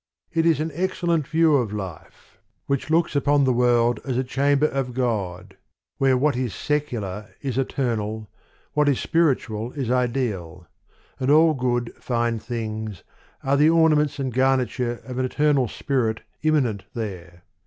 It is an excellent view of life, which looks upon the world as a chamber of God, where what is secular is eternal, what is spiritual is ideal : and all good, fine things are the ornaments and garniture of an eternal spirit immanent there.